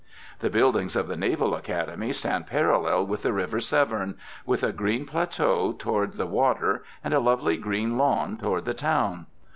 The buildings of the Naval Academy stand parallel with the river Severn, with a green plateau toward the water and a lovely green lawn toward the town.